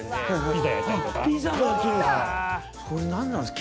これ何なんですか？